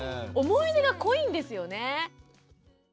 思い出が濃いんですよね。